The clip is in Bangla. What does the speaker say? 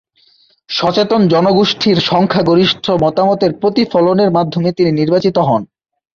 সচেতন জনগোষ্ঠীর সংখ্যাগরিষ্ঠ মতামতের প্রতিফলনের মাধ্যমে তিনি নির্বাচিত হন।